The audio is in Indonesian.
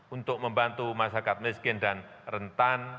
untuk membantu masyarakat miskin dan rentan